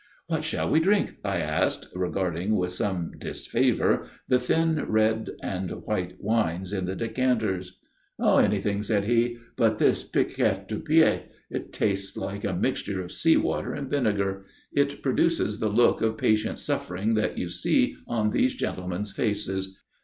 "What shall we drink?" I asked, regarding with some disfavour the thin red and white wines in the decanters. "Anything," said he, "but this piquette du pays. It tastes like a mixture of sea water and vinegar. It produces the look of patient suffering that you see on those gentlemen's faces.